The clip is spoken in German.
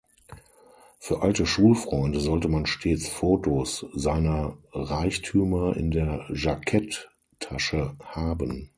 Für alte Schulfreunde sollte man stets Fotos seiner Reichtümer in der Jacketttasche haben.